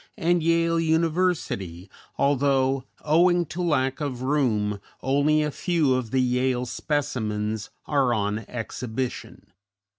and Yale University, although, owing to lack of room, only a few of the Yale specimens are on exhibition.